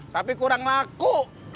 tapi kurang laku